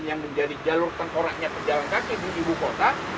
yang menjadi jalur tengkoraknya penjalan kaki di ibu kota